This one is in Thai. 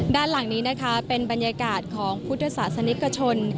ด้านหลังนี้นะคะเป็นบรรยากาศของพุทธศาสนิกชน